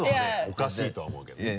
おかしいとは思わんけどね。